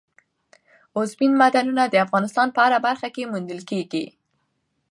اوبزین معدنونه د افغانستان په هره برخه کې موندل کېږي.